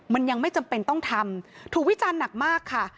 มันยังไม่จำเป็นต้องทำถูกวิจารณ์หนักมากค่ะ